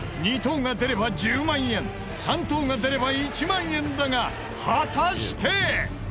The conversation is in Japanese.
２等が出れば１０万円３等が出れば１万円だが果たして。